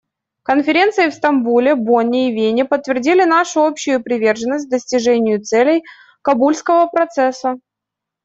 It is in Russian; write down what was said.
Конференции в Стамбуле, Бонне и Вене подтвердили нашу общую приверженность достижению целей Кабульского процесса.